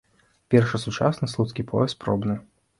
Першы сучасны слуцкі пояс пробны.